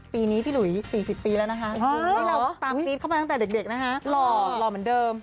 ปีนี้พี่หลุย๔๐ปีแล้วนะฮะคุณให้เราตามตีดเข้ามาตั้งแต่เด็กนะฮะหล่อเหมือนเดิม